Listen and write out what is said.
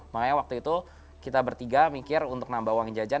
makanya waktu itu kita bertiga mikir untuk nambah uang jajan